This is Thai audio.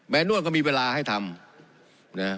แมนนวลก็มีเวลาให้ทำ